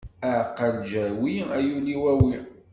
Aɛeqqa n lǧawi, a yul-iw awi!